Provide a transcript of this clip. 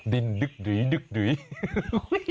ดินดึกดุ๋ย